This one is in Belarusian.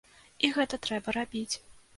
І гэта трэба рабіць.